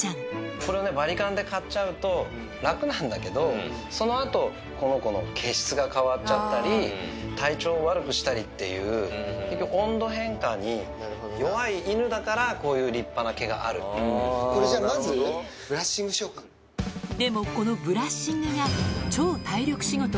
これはバリカンで刈っちゃうと、楽なんだけど、そのあと、この子の毛質が変わっちゃったり、体調を悪くしたりっていう、温度変化に弱い犬だから、こういじゃあまず、ブラッシングしでも、このブラッシングが超体力仕事。